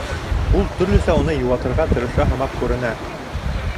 Ул төрлөсә уны йыуатырға тырыша һымаҡ күренә.